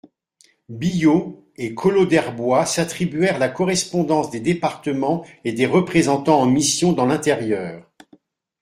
Billaud et Collot-d'Herbois s'attribuèrent la correspondance des départements et des représentants en mission dans l'intérieur.